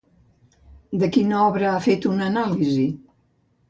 De quina obra ha fet una anàlisi?